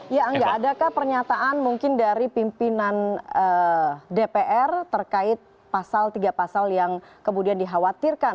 ya angga adakah pernyataan mungkin dari pimpinan dpr terkait pasal tiga pasal yang kemudian dikhawatirkan